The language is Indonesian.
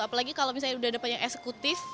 apalagi kalau misalnya udah ada banyak eksekutif